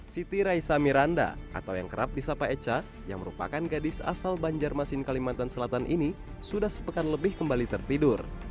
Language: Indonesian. siti raisa miranda atau yang kerap disapa eca yang merupakan gadis asal banjarmasin kalimantan selatan ini sudah sepekan lebih kembali tertidur